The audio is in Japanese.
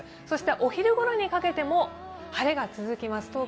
そしてお昼ごろにかけても晴れが続きます。